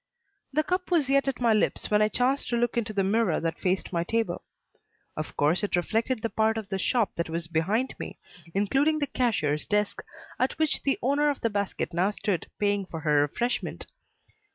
The cup was yet at my lips when I chanced to look into the mirror that faced my table. Of course it reflected the part of the shop that was behind me, including the cashier's desk; at which the owner of the basket now stood paying for her refreshment.